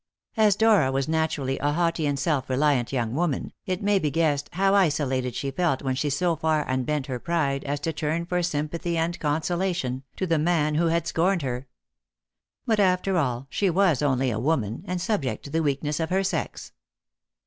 As Dora was naturally a haughty and self reliant young woman, it may be guessed how isolated she felt when she so far unbent her pride as to turn for sympathy and consolation to the man who had scorned her. But, after all, she was only a woman, and subject to the weakness of her sex.